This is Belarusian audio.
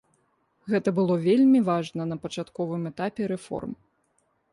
Гэта было вельмі важна на пачатковым этапе рэформ.